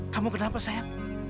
kamu kenapa sayang